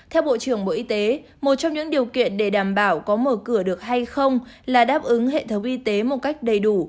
theo bộ trưởng bộ y tế một trong những điều kiện để đảm bảo có mở cửa được hay không là đáp ứng hệ thống y tế một cách đầy đủ